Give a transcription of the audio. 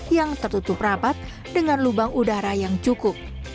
yang tertutup rapat dengan lubang udara yang cukup